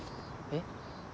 えっ？